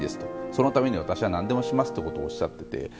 そのために、私は何でもしますとおっしゃっていて。